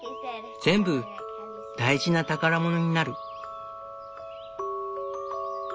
全部大事な宝物になる。